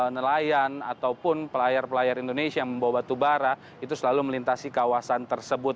nelayan ataupun pelayar pelayar indonesia yang membawa batu bara itu selalu melintasi kawasan tersebut